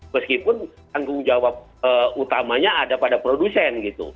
meskipun tanggung jawab utamanya ada pada produsen gitu